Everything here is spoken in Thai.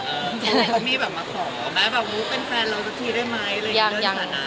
เขามีแบบมาขอแม่แบบวุ๊คเป็นแฟนเราสักทีได้ไหม